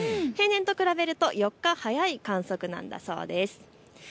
平年と比べると４日早い観測なんだそうです。